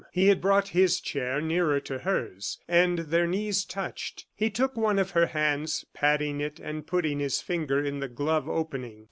He had brought his chair nearer to hers, and their knees touched. He took one of her hands, patting it and putting his finger in the glove opening.